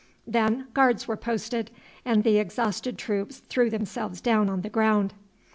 Then guards were posted, and the exhausted troops threw themselves down on the ground.